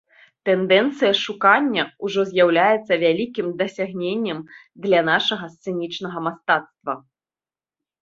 Тэндэнцыя шукання ўжо з'яўляецца вялікім дасягненнем для нашага сцэнічнага мастацтва.